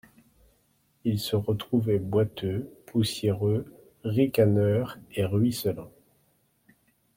Ils se retrouvaient boiteux, poussiéreux, ricaneurs et ruisselants.